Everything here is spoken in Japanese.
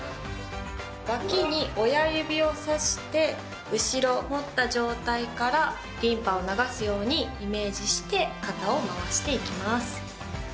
脇に親指を刺して後ろ持った状態からリンパを流すようにイメージして肩を回していきます。